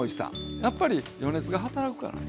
やっぱり余熱が働くからね。